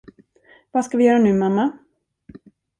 Vad ska vi göra nu, mamma?